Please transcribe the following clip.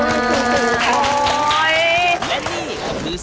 การที่บูชาเทพสามองค์มันทำให้ร้านประสบความสำเร็จ